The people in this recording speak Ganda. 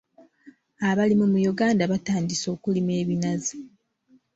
Abalimi mu Uganda batandise okulima ebinazi.